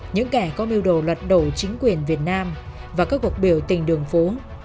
những kẻ có mưu đồ lật đổ chính quyền việt nam và các cuộc biểu tình đường phố